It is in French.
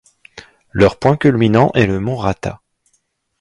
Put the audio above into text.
Leur point culminant est le mont Rata.